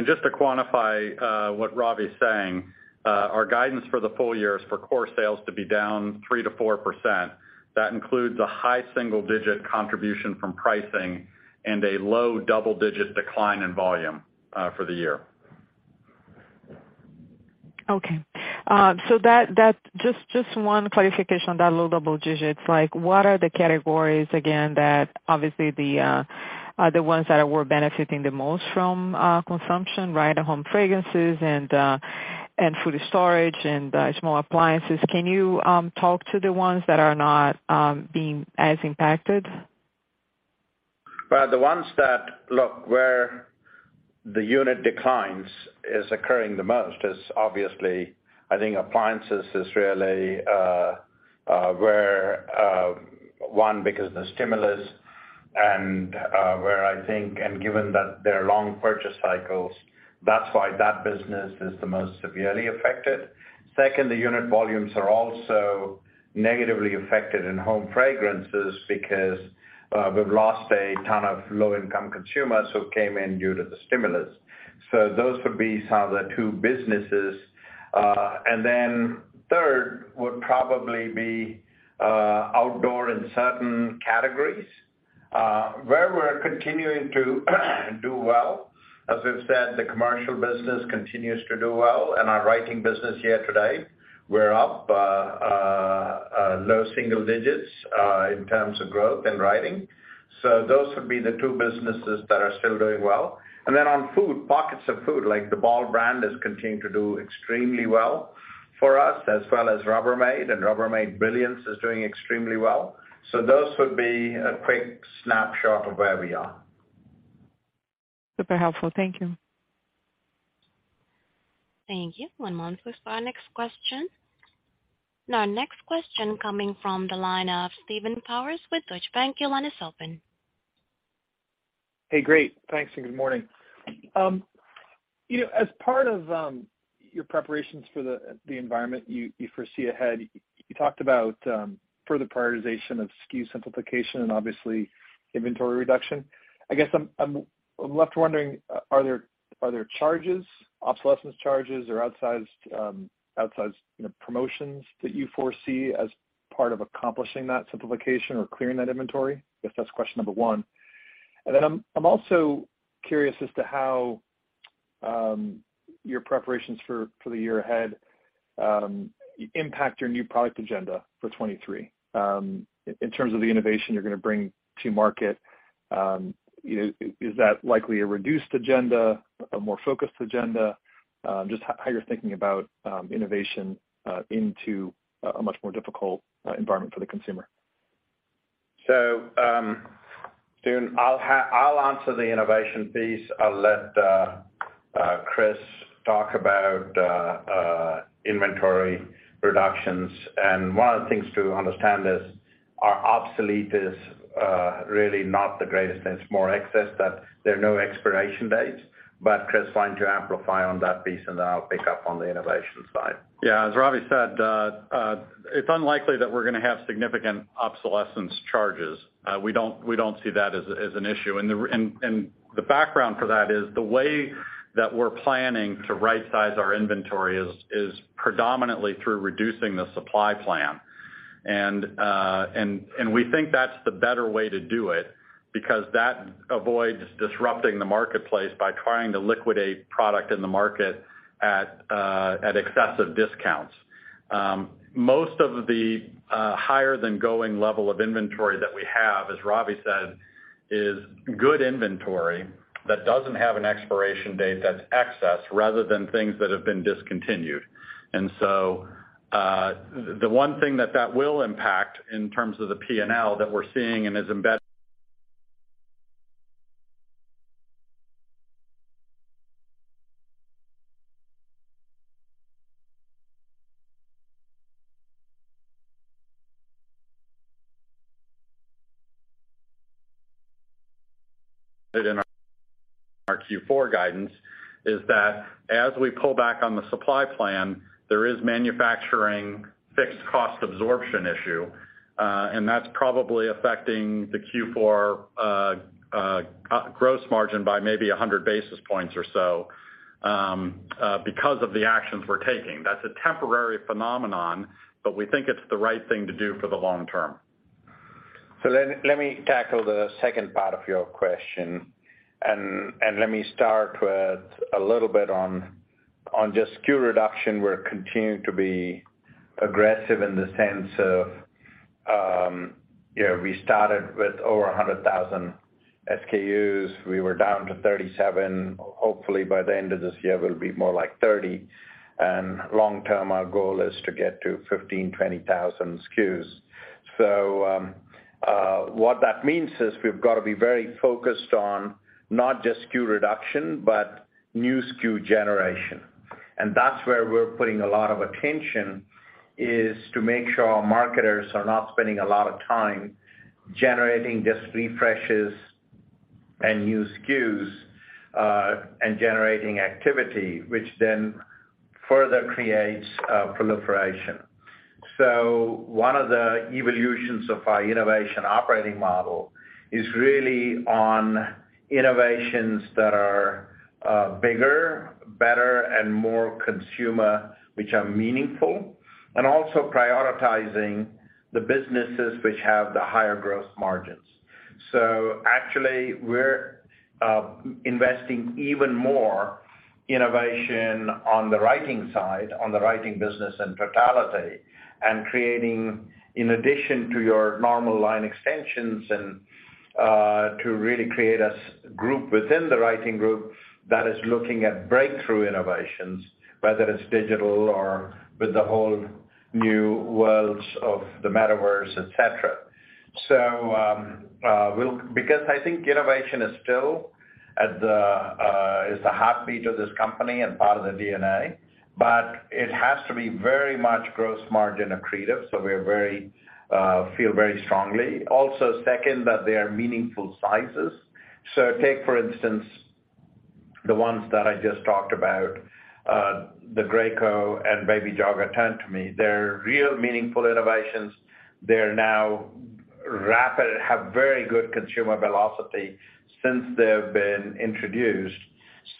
Just to quantify what Ravi Saligram is saying, our guidance for the full year is for core sales to be down 3%-4%. That includes a high single-digit contribution from pricing and a low double-digit decline in volume for the year. Just one clarification on that low double digits. Like, what are the categories again that obviously are the ones that were benefiting the most from consumption, right? The home fragrances and food storage and small appliances. Can you talk to the ones that are not being as impacted? Look, where the unit declines is occurring the most is obviously, I think appliances is really where one because the stimulus and where I think and given that there are long purchase cycles, that's why that business is the most severely affected. Second, the unit volumes are also negatively affected in home fragrances because we've lost a ton of low-income consumers who came in due to the stimulus. Those would be some of the two businesses. Third would probably be outdoor and certain categories where we're continuing to do well. As I've said, the commercial business continues to do well and our writing business year to date, we're up low single digits in terms of growth in writing. Those would be the two businesses that are still doing well. On food, pockets of food, like the Ball brand has continued to do extremely well for us as well as Rubbermaid and Rubbermaid Brilliance is doing extremely well. Those would be a quick snapshot of where we are. Super helpful. Thank you. Thank you. One moment for our next question. Our next question coming from the line of Steve Powers with Deutsche Bank. Your line is open. Hey, great. Thanks and good morning. As part of your preparations for the environment you foresee ahead, you talked about further prioritization of SKU simplification and obviously inventory reduction. I guess I'm left wondering, are there charges, obsolescence charges or outsized promotions that you foresee as part of accomplishing that simplification or clearing that inventory? If that's question number one. I'm also curious as to how your preparations for the year ahead impact your new product agenda for 2023, in terms of the innovation you're gonna bring to market. Is that likely a reduced agenda, a more focused agenda? Just how you're thinking about innovation into a much more difficult environment for the consumer. Steve, I'll answer the innovation piece. I'll let Chris Peterson talk about inventory reductions. One of the things to understand is our obsolete is really not the greatest. It's more excess that there are no expiration dates. Chris Peterson, why don't you amplify on that piece and then I'll pick up on the innovation side. Yeah. As Ravi said, it's unlikely that we're gonna have significant obsolescence charges. We don't see that as an issue. The background for that is the way that we're planning to rightsized our inventory is predominantly through reducing the supply plan. We think that's the better way to do it because that avoids disrupting the marketplace by trying to liquidate product in the market at excessive discounts. Most of the higher than going level of inventory that we have, as Ravi said, is good inventory that doesn't have an expiration date that's excess rather than things that have been discontinued. The one thing that will impact in terms of the P&L that we're seeing and is in our Q4 guidance is that as we pull back on the supply plan, there is manufacturing fixed cost absorption issue. That's probably affecting the Q4 gross margin by maybe 100 basis points or so, because of the actions we're taking. That's a temporary phenomenon but we think it's the right thing to do for the long term. Let me tackle the second part of your question and let me start with a little bit on just SKU reduction. We're continuing to be aggressive in the sense of we started with over 100,000 SKUs. We were down to 37. Hopefully, by the end of this year, we'll be more like 30. Long term, our goal is to get to 15-20,000 SKUs. What that means is we've gotta be very focused on not just SKU reduction but new SKU generation. That's where we're putting a lot of attention, is to make sure our marketers are not spending a lot of time generating just refreshes and new SKUs and generating activity, which then further creates proliferation. One of the evolutions of our innovation operating model is really on innovations that are bigger, better and more consumer, which are meaningful and also prioritizing the businesses which have the higher gross margins. Actually we're investing even more innovation on the writing side, on the writing business in totality and creating, in addition to normal line extensions, to really create a group within the writing group that is looking at breakthrough innovations, whether it's digital or with the whole new worlds of the Metaverse, et cetera. Because I think innovation is still the heartbeat of this company and part of the DNA but it has to be very much gross margin accretive, so we feel very strongly. Also second, that they are meaningful sizes. Take, for instance, the ones that I just talked about, the Graco and Baby Jogger tandem. They're really meaningful innovations. They're now ramping, have very good consumer velocity since they've been introduced.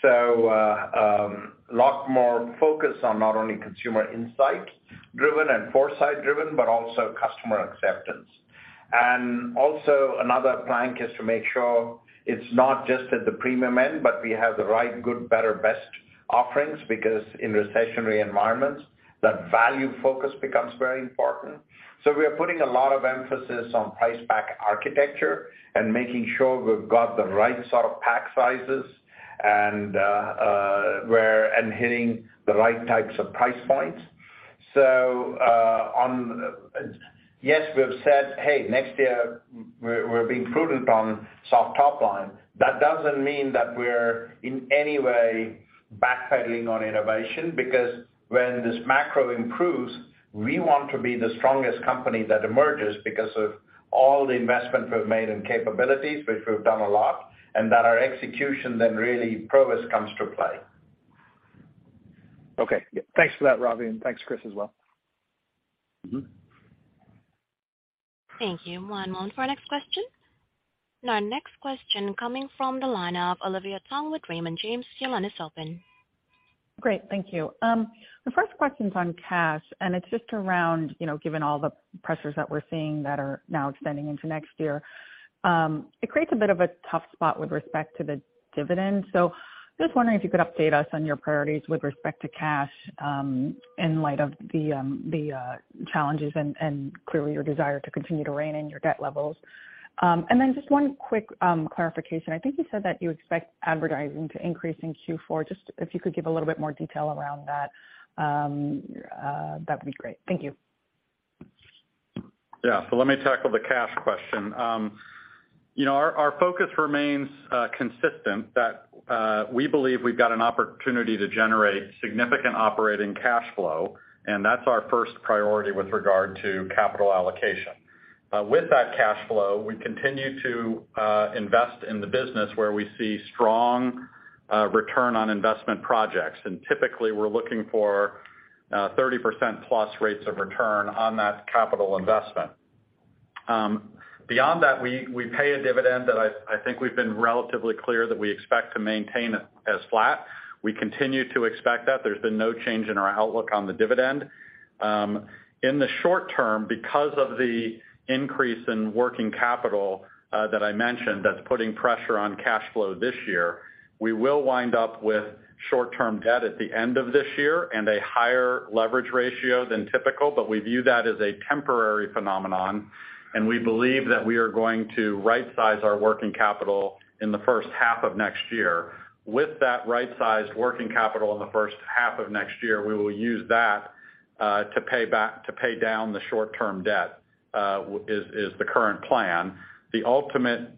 A lot more focus on not only consumer insight driven and foresight driven but also customer acceptance. Another plank is to make sure it's not just at the premium end but we have the right, good, better, best offerings because in recessionary environments, that value focus becomes very important. We are putting a lot of emphasis on price pack architecture and making sure we've got the right sort of pack sizes and hitting the right types of price points. Yes, we've said, "Hey, next year we're being prudent on soft top line." That doesn't mean that we're in any way backpedaling on innovation because when this macro improves, we want to be the strongest company that emerges because of all the investment we've made in capabilities, which we've done a lot and that our execution then really prowess comes to play. Okay. Yeah, thanks for that, Ravi and thanks Chris as well. Thank you. One moment for our next question. Our next question coming from the line of Olivia Tong with Raymond James. Your line is open. Great. Thank you. The first question's on cash and it's just around, you know, given all the pressures that we're seeing that are now extending into next year, it creates a bit of a tough spot with respect to the dividend. Just wondering if you could update us on your priorities with respect to cash, in light of the challenges and clearly your desire to continue to rein in your debt levels. Just one quick clarification. I think you said that you expect advertising to increase in Q4. Just if you could give a little bit more detail around that'd be great. Thank you. Yeah. Let me tackle the cash question. Our focus remains consistent that we believe we've got an opportunity to generate significant operating cash flow and that's our first priority with regard to capital allocation. With that cash flow, we continue to invest in the business where we see strong return on investment projects. Typically, we're looking for 30%+ rates of return on that capital investment. Beyond that, we pay a dividend that I think we've been relatively clear that we expect to maintain as flat. We continue to expect that. There's been no change in our outlook on the dividend. In the short term, because of the increase in working capital, that I mentioned that's putting pressure on cash flow this year, we will wind up with short-term debt at the end of this year and a higher leverage ratio than typical but we view that as a temporary phenomenon and we believe that we are going to rightsized our working capital in the first half of next year. With that rightsized working capital in the first half of next year, we will use that to pay down the short-term debt, is the current plan. The ultimate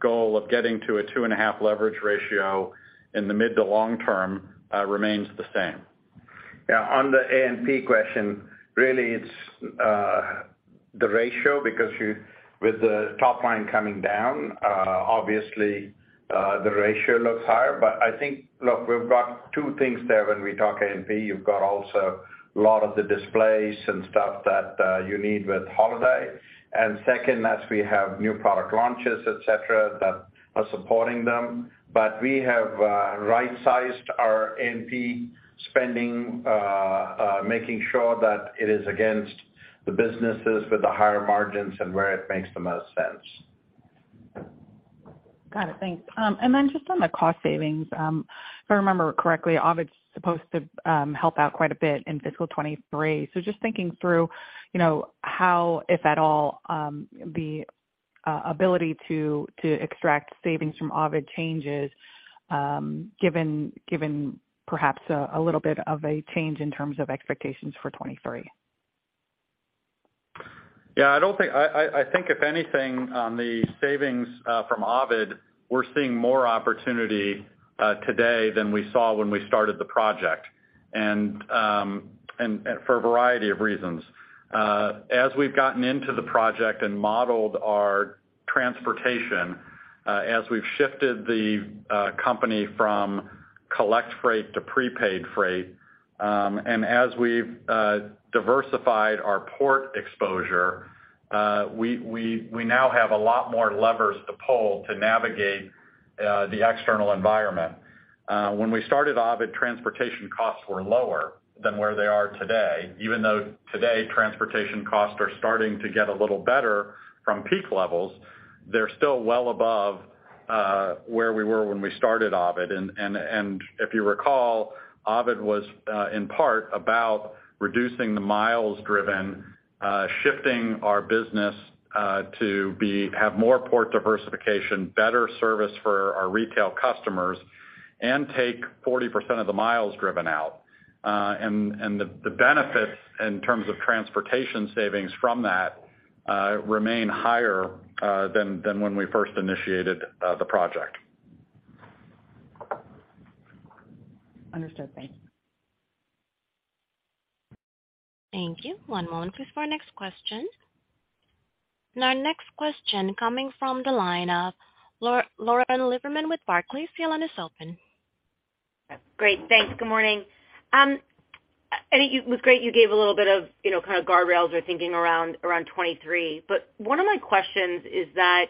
goal of getting to a 2.5 leverage ratio in the mid- to long-term remains the same. Yeah. On the A&P question, really it's the ratio because with the top line coming down, obviously, the ratio looks higher. I think, look, we've got two things there when we talk A&P. You've got also a lot of the displays and stuff that you need with holiday. Second, as we have new product launches, et cetera, that are supporting them. We have rightsized our A&P spending, making sure that it is against the businesses with the higher margins and where it makes the most sense. Got it. Thanks. Just on the cost savings, if I remember correctly, OVID's supposed to help out quite a bit in fiscal 2023. Just thinking through, you know, how, if at all, the ability to extract savings from OVID changes, given perhaps a little bit of a change in terms of expectations for 2023. Yeah, I think if anything on the savings from OVID, we're seeing more opportunity today than we saw when we started the project and for a variety of reasons. As we've gotten into the project and modeled our transportation, as we've shifted the company from collect freight to prepaid freight and as we've diversified our port exposure, we now have a lot more levers to pull to navigate the external environment. When we started OVID, transportation costs were lower than where they are today. Even though today transportation costs are starting to get a little better from peak levels, they're still well above where we were when we started OVID. If you recall, OVID was in part about reducing the miles driven, shifting our business to have more port diversification, better service for our retail customers and take 40% of the miles driven out. The benefits in terms of transportation savings from that remain higher than when we first initiated the project. Understood. Thanks. Thank you. One moment, please, for our next question. Our next question coming from the line of Lauren Lieberman with Barclays. Your line is open. Great. Thanks. Good morning. It was great you gave a little bit of, you know, kind of guardrails or thinking around 2023. One of my questions is that,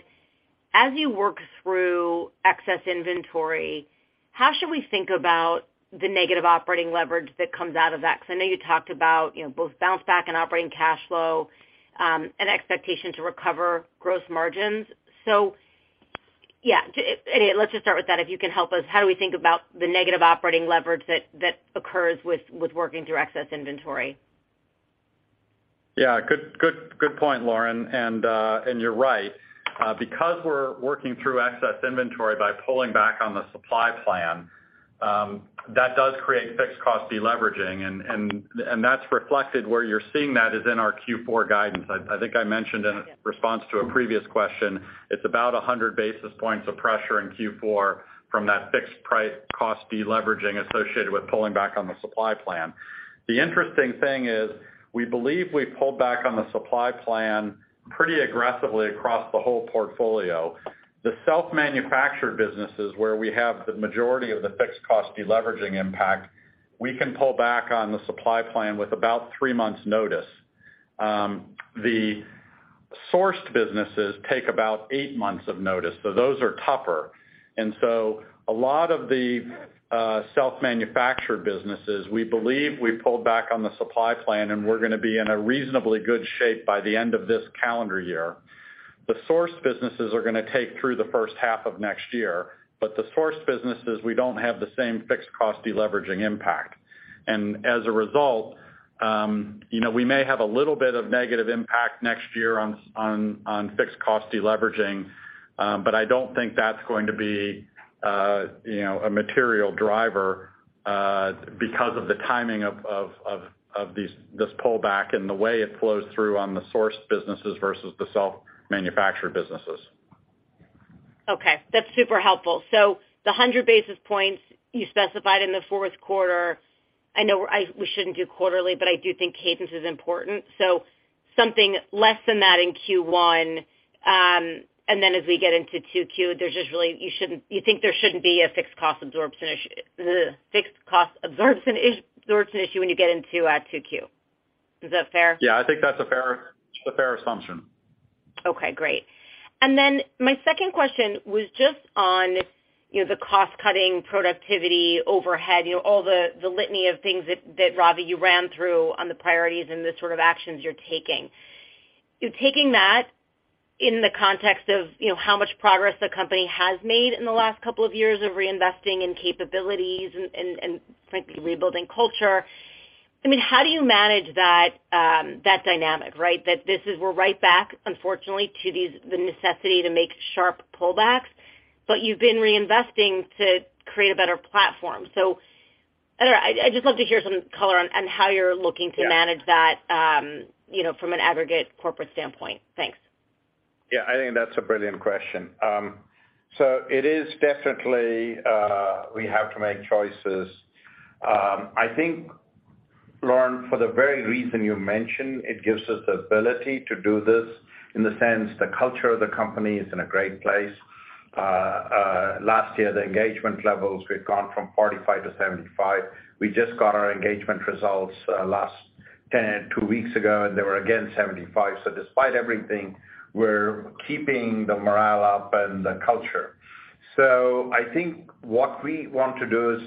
as you work through excess inventory, how should we think about the negative operating leverage that comes out of that? Because I know you talked about, you know, both bounce back and operating cash flow and expectation to recover gross margins. Yeah, let's just start with that, if you can help us, how do we think about the negative operating leverage that occurs with working through excess inventory? Yeah. Good point, Lauren. You're right. Because we're working through excess inventory by pulling back on the supply plan, that does create fixed cost deleveraging and that's reflected where you're seeing that is in our Q4 guidance. I think I mentioned in response to a previous question, it's about 100 basis points of pressure in Q4 from that fixed cost deleveraging associated with pulling back on the supply plan. The interesting thing is we believe we pulled back on the supply plan pretty aggressively across the whole portfolio. The self-manufactured businesses where we have the majority of the fixed cost deleveraging impact, we can pull back on the supply plan with about three months notice. The sourced businesses take about eight months of notice, so those are tougher. A lot of the self-manufactured businesses, we believe we pulled back on the supply plan and we're gonna be in a reasonably good shape by the end of this calendar year. The sourced businesses are gonna take through the first half of next year but the sourced businesses, we don't have the same fixed cost deleveraging impact. As a result, you know, we may have a little bit of negative impact next year on fixed cost deleveraging but I don't think that's going to be, you know, a material driver. Because of the timing of this pullback and the way it flows through on the source businesses versus the self-manufactured businesses. Okay, that's super helpful. The 100 basis points you specified in the fourth quarter, I know we shouldn't do quarterly but I do think cadence is important. Something less than that in Q1 and then as we get into 2Q, there's just really you think there shouldn't be a fixed cost absorption issue when you get into 2Q. Is that fair? Yeah, I think that's a fair assumption. Okay, great. My second question was just on, you know, the cost-cutting productivity overhead, you know, all the litany of things that Ravi you ran through on the priorities and the sort of actions you're taking. You're taking that in the context of, you know, how much progress the company has made in the last couple of years of reinvesting in capabilities and frankly, rebuilding culture. I mean, how do you manage that dynamic, right? That this is, we're right back, unfortunately, to these, the necessity to make sharp pullbacks but you've been reinvesting to create a better platform. I don't know. I'd just love to hear some color on how you're looking to manage that, you know, from an aggregate corporate standpoint. Thanks. Yeah. I think that's a brilliant question. It is definitely we have to make choices. I think, Lauren, for the very reason you mentioned, it gives us the ability to do this in the sense the culture of the company is in a great place. Last year, the engagement levels we've gone from 45 to 75. We just got our engagement results two weeks ago and they were again 75. Despite everything, we're keeping the morale up and the culture. I think what we want to do is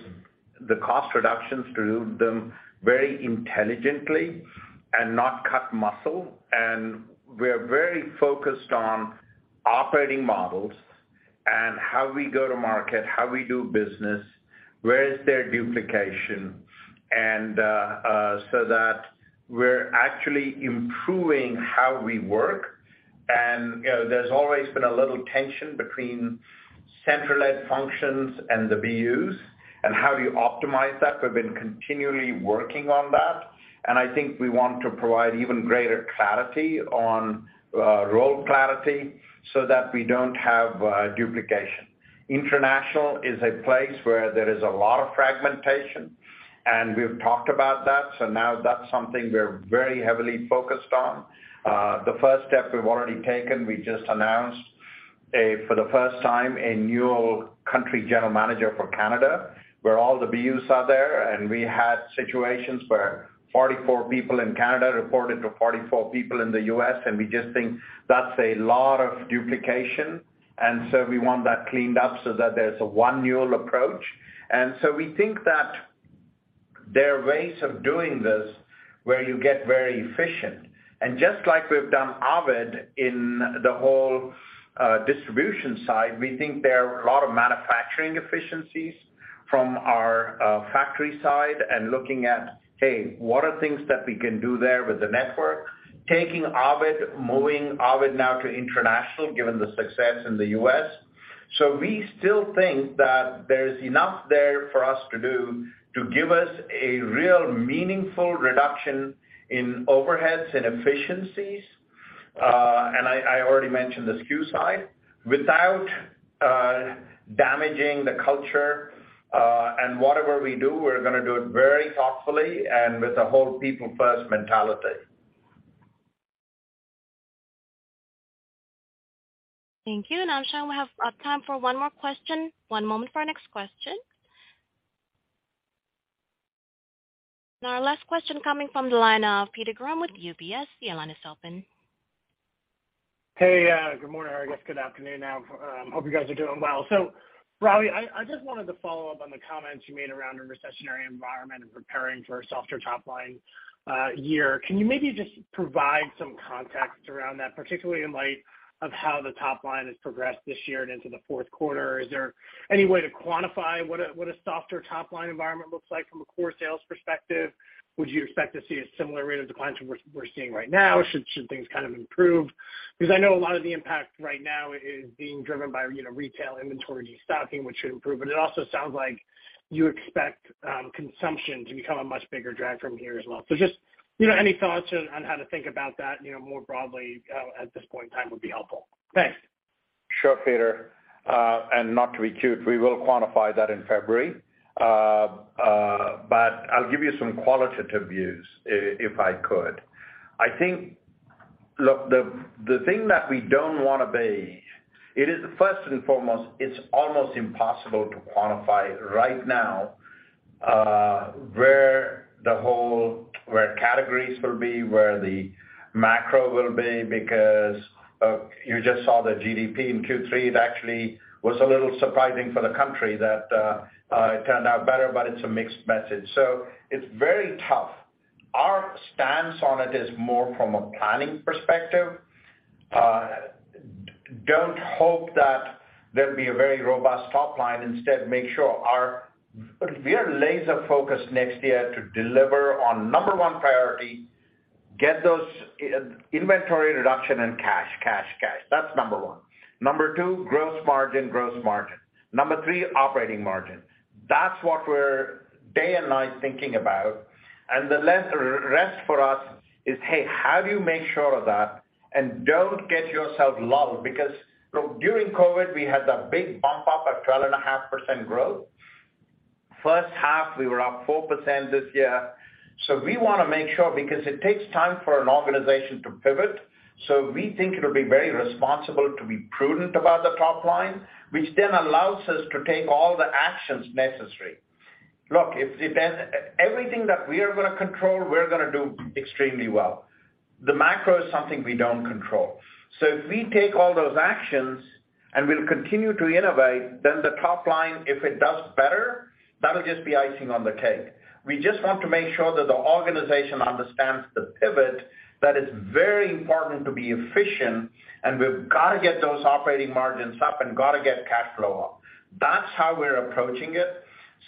the cost reductions, to do them very intelligently and not cut muscle. We're very focused on operating models and how we go to market, how we do business, where is there duplication and so that we're actually improving how we work. You know, there's always been a little tension between centrally led functions and the BUs and how do you optimize that. We've been continually working on that and I think we want to provide even greater clarity on role clarity so that we don't have duplication. International is a place where there is a lot of fragmentation and we've talked about that. Now that's something we're very heavily focused on. The first step we've already taken, we just announced, for the first time, a new country general manager for Canada, where all the BUs are there. We had situations where 44 people in Canada reported to 44 people in the U.S. and we just think that's a lot of duplication. We want that cleaned up so that there's a One Newell approach. We think that there are ways of doing this where you get very efficient. Just like we've done OVID in the whole distribution side, we think there are a lot of manufacturing efficiencies from our factory side and looking at, hey, what are things that we can do there with the network. Taking OVID, moving OVID now to international, given the success in the US. We still think that there's enough there for us to do to give us a real meaningful reduction in overheads and efficiencies and I already mentioned the SKU side, without damaging the culture. Whatever we do, we're gonna do it very thoughtfully and with a whole people first mentality. Thank you. Now I'm showing we have time for one more question. One moment for our next question. Now our last question coming from the line of Peter Grom with UBS. Your line is open. Hey, good morning or I guess good afternoon now. Hope you guys are doing well. Ravi, I just wanted to follow up on the comments you made around a recessionary environment and preparing for a softer top line year. Can you maybe just provide some context around that, particularly in light of how the top line has progressed this year and into the fourth quarter? Is there any way to quantify what a softer top line environment looks like from a core sales perspective? Would you expect to see a similar rate of decline to what we're seeing right now? Should things kind of improve? Because I know a lot of the impact right now is being driven by, you know, retail inventory destocking, which should improve. It also sounds like you expect consumption to become a much bigger drag from here as well. Just, you know, any thoughts on how to think about that, you know, more broadly at this point in time would be helpful. Thanks. Sure, Peter. Not to be cute, we will quantify that in February. I'll give you some qualitative views if I could. I think look, the thing that we don't wanna be, it is first and foremost, it's almost impossible to quantify right now, where categories will be, where the macro will be, because you just saw the GDP in Q3. It actually was a little surprising for the country that it turned out better but it's a mixed message, so it's very tough. Our stance on it is more from a planning perspective. Don't hope that there'll be a very robust top line. Instead, make sure we are laser focused next year to deliver on number one priority. Get those inventory reduction and cash, cash. That's number one. Number two, gross margin. Number three, operating margin. That's what we're day and night thinking about. The rest for us is, hey, how do you make sure of that? Don't get yourself lulled because, look, during COVID, we had that big bump up of 12.5% growth. First half, we were up 4% this year. We wanna make sure because it takes time for an organization to pivot. We think it'll be very responsible to be prudent about the top line, which then allows us to take all the actions necessary. Everything that we are gonna control, we're gonna do extremely well. The macro is something we don't control. If we take all those actions and we'll continue to innovate, then the top line, if it does better, that'll just be icing on the cake. We just want to make sure that the organization understands the pivot, that it's very important to be efficient and we've gotta get those operating margins up and gotta get cash flow up. That's how we're approaching it.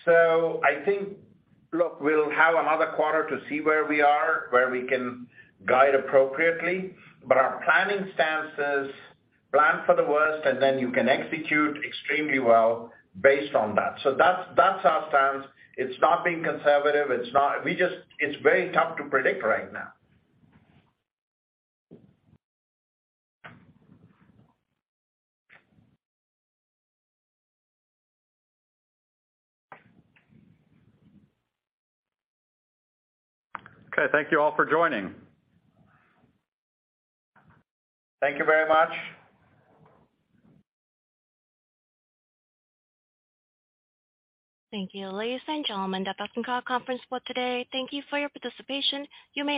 I think, look, we'll have another quarter to see where we are, where we can guide appropriately. Our planning stance is plan for the worst and then you can execute extremely well based on that. That's our stance. It's not being conservative. It's very tough to predict right now. Okay, thank you all for joining. Thank you very much. Thank you, ladies and gentlemen. That does conclude our conference call today. Thank you for your participation. You may disconnect.